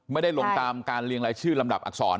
ไม่ได้ลงตามการเรียงรายชื่อลำดับอักษร